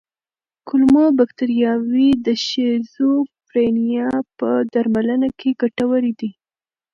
کولمو بکتریاوې د شیزوفرینیا په درملنه کې ګټورې دي.